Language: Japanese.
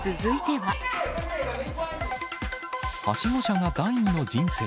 はしご車が第二の人生。